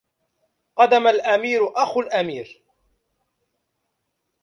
قدم الأمير أخو الأمير